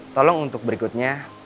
tolong untuk berikutnya